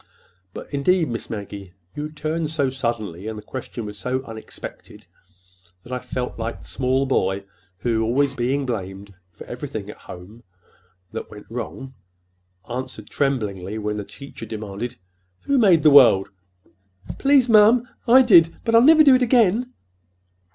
"But, indeed, Miss Maggie, you turned so suddenly and the question was so unexpected that I felt like the small boy who, being always blamed for everything at home that went wrong, answered tremblingly, when the teacher sharply demanded, 'Who made the world?' 'Please, ma'am, I did; but I'll never do it again!